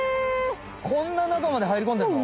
こんな中まで入りこんでんの？